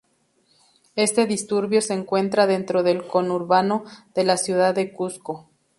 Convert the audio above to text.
Este distrito se encuentra dentro del conurbano de la ciudad de Cuzco.